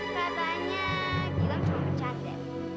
katanya gilang cuma bercanda